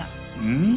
うん？